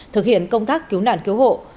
thực hiện công tác cứu nạn kiếu hộ